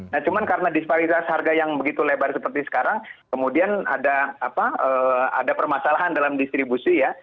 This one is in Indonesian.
nah cuma karena disparitas harga yang begitu lebar seperti sekarang kemudian ada permasalahan dalam distribusi ya